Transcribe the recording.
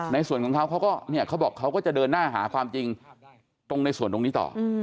ในส่วนของเค้าก็จะเดินหน้าหาความจริงตรงในส่วนตรงนี้ต่อ